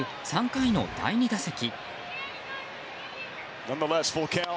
３回の第２打席。